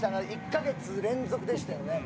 １カ月連続でしたよね。